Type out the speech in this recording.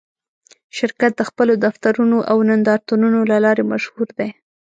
شرکت د خپلو دفترونو او نندارتونونو له لارې مشهور دی.